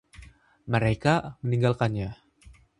Mereka meninggalkannya.